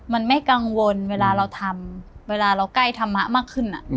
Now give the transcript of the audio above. มันไม่กังวลเวลาเราทำเวลาเราใกล้ธรรมะมากขึ้น